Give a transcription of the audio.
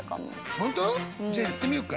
本当？じゃやってみようか。